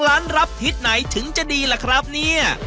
ร้านรับทิศไหนถึงจะดีล่ะครับเนี่ย